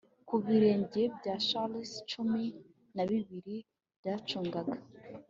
Ku birenge bya Charles cumi na babiri yacungaga